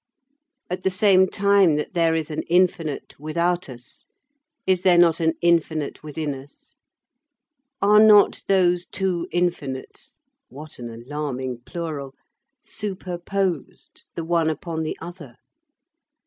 At the same time that there is an infinite without us, is there not an infinite within us? Are not these two infinites (what an alarming plural!) superposed, the one upon the other?